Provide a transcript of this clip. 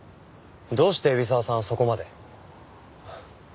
どうして海老沢さんはそこまで？